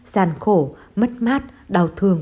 giàn khổ mất mát đau thương